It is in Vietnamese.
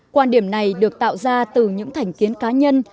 quan điểm này được tạo ra từ những thành kiến cá nhân